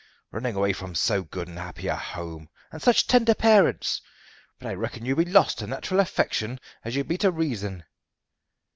Running away from so good and happy a home and such tender parents! But I reckon you be lost to natural affection as you be to reason."